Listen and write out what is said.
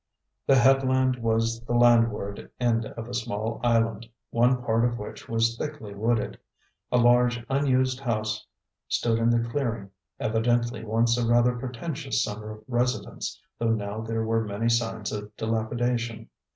The headland was the landward end of a small island, one part of which was thickly wooded. A large unused house stood in a clearing, evidently once a rather pretentious summer residence, though now there were many signs of delapidation.